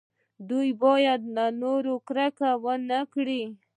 دوی باید له نورو کرکه ونه کړي.